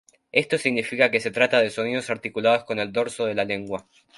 Esto significa que se trata de sonidos articulados con el dorso de la lengua.